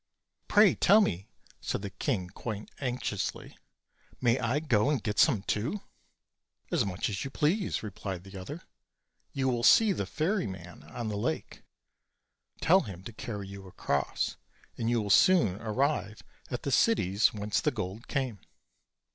"Pray tell me," said the king quite anxiously, "may I go and get some too?" "As much as you please," replied the other; "you will see the ferryman on the lake; tell him to carry you across, and you will soon arrive at the cities whence the gold came."